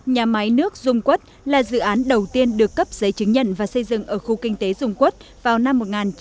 nhà máy nước dung quất là dự án đầu tiên được cấp giấy chứng nhận và xây dựng ở khu kinh tế dung quốc vào năm một nghìn chín trăm bảy mươi